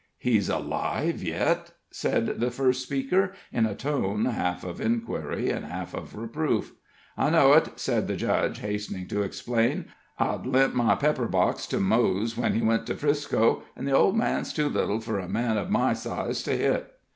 "He's alive yit!" said the first speaker, in a tone half of inquiry and half of reproof. "I know it," said the judge, hastening to explain. "I'd lent my pepperbox to Mose when he went to 'Frisco, an' the old man's too little fur a man uv my size to hit."